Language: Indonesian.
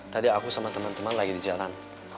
tadi aku sama temen temen lagi di jalan